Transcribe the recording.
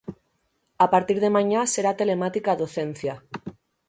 A partir de mañá será telemática a docencia.